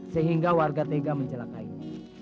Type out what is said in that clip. sehingga warga tega mencelakainya